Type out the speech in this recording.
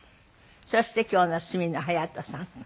そして今日の角野隼斗さん。